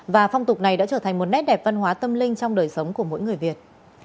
và phong tục này đã trở thành một nét đẹp văn hóa tâm linh trong đời sống của mỗi người việt